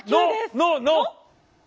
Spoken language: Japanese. の？の？